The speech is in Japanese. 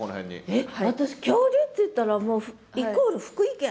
えっ私恐竜っていったらもうイコール福井県。